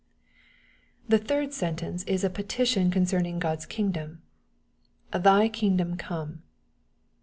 The third sentence is a petition concerning Ood'a king dom :" thy kingdom come."